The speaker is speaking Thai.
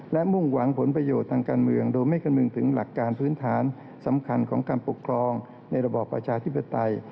และมุ่งหวังผลประโยชน์ทางการเมืองโดยไม่คำนึงถึงหลักการพื้นฐานสำคัญของการปกครองในระบอบประชาธิปไตย